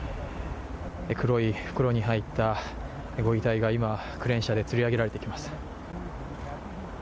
黒い袋に入ったご遺体が今、クレーン車でつり上げられていきます。